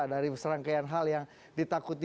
dari serangkaian hal yang ditakuti